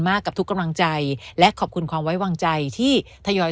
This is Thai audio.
กับทุกกำลังใจและขอบคุณความไว้วางใจที่ทยอย